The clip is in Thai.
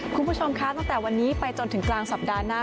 คุณผู้ชมคะตั้งแต่วันนี้ไปจนถึงกลางสัปดาห์หน้า